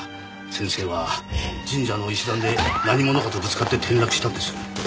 先生は神社の石段で何者かとぶつかって転落したんです。